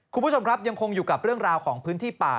คุณผู้ชมครับยังคงอยู่กับเรื่องราวของพื้นที่ป่า